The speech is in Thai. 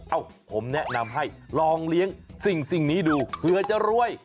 ผมแนะนำให้ลองเลี้ยงสิ่งนี้ดูเผื่อจะรวย